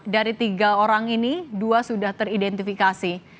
dari tiga orang ini dua sudah teridentifikasi